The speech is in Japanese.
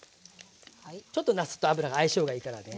ちょっとなすと油が相性がいいからね。